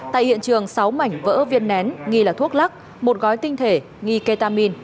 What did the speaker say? tại hiện trường sáu mảnh vỡ viên nén nghi là thuốc lắc một gói tinh thể nghi ketamin